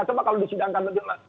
cuma kalau disidangkan